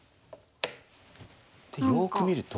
よく見ると。